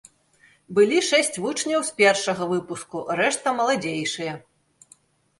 Былі шэсць вучняў з першага выпуску, рэшта маладзейшыя.